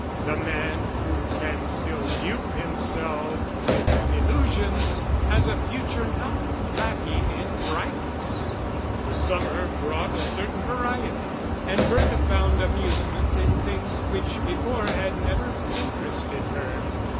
The man who can still dupe himself with illusions has a future not lacking in brightness. The summer brought a certain variety, and Bertha found amusement in things which before had never interested her.